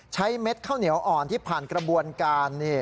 เม็ดข้าวเหนียวอ่อนที่ผ่านกระบวนการ